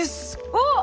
おっ！